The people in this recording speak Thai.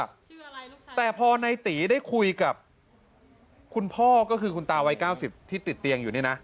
ชื่ออะไรแต่พอในตีได้คุยกับคุณพ่อก็คือคุณตาวัยเก้าสิบที่ติดเตียงอยู่นี่นะ